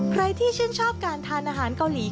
ใครที่ชื่นชอบการทานอาหารเกาหลี